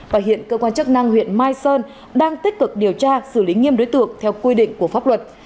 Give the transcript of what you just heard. và hiện cơ quan chức năng huyện mai sơn đang tích cực điều tra xử lý nghiêm đối tượng theo quy định của pháp luật